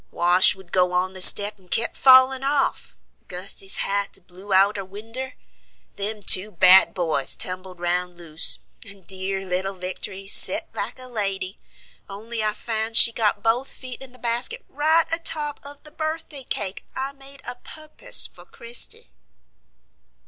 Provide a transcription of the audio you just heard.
Wash would go on the step, and kep fallin' off; Gusty's hat blew out a winder; them two bad boys tumbled round loose; and dear little Victory set like a lady, only I found she'd got both feet in the basket right atop of the birthday cake, I made a puppose for Christie."